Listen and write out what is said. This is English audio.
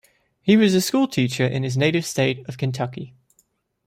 He was a school teacher in his native state of Kentucky.